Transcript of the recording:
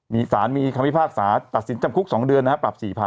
มีสารมีคำพิพากษาตัดสินจำคุก๒เดือนนะครับปรับ๔๐๐๐